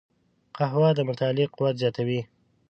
قهوه د مطالعې قوت زیاتوي